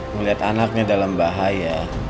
melihat anaknya dalam bahaya